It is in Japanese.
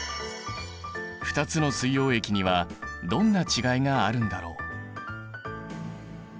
２つの水溶液にはどんな違いがあるんだろう。